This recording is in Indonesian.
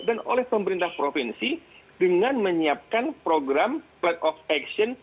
dan oleh pemerintah provinsi dengan menyiapkan program plan of action